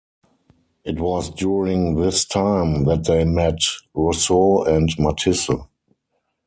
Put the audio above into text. It was during this time that they met Rousseau and Matisse.